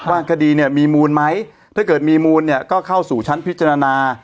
ว่าคดีเนี่ยมีมูลไหมถ้าเกิดมีมูลเนี่ยก็เข้าสู่ชั้นพิจารณา